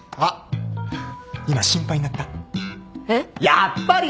やっぱり！